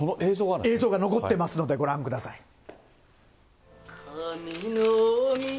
映像が残ってますので、ご覧ください。